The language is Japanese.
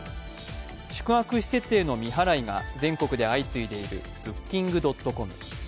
宿泊施設への未払いが全国で相次いでいるＢｏｏｋｉｎｇ．ｃｏｍ。